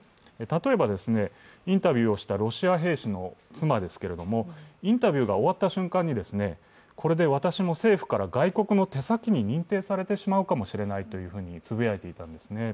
例えば、インタビューをしたロシア兵士の妻ですけれどもインタビューが終わった瞬間にこれで私も政府から外国の手先に認定されてしまうかもしれないとつぶやいていたんですね。